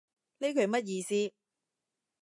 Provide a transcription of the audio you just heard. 呢句乜意思